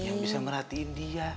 yang bisa merhatiin dia